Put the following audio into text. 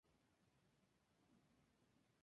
Fotos de la "Agrostis rupestris"